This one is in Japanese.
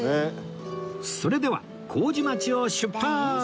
それでは麹町を出発！